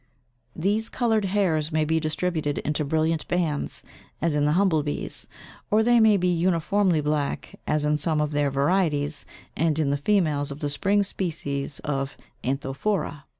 These coloured hairs may be distributed into brilliant bands, as in the humble bees, or they may be uniformly black, as in some of their varieties and in the females of the spring species of Anthophora (pl.